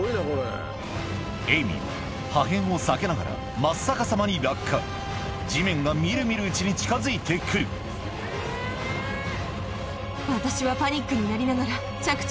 エイミーは破片を避けながら真っ逆さまに落下地面が見る見るうちに近づいて来る私は。